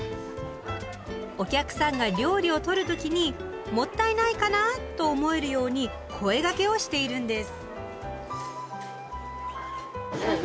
お客さんが料理を取る時に「もったいない」かな？と思えるように声がけをしているんです。